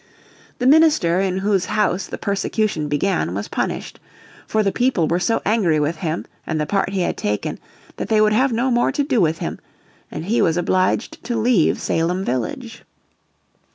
The minister in whose house the persecution began was punished. For the people were so angry with him and the part he had taken that they would have no more to do with him, and he was obliged to leave Salem village.